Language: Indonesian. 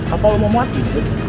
apa lo mau mati sih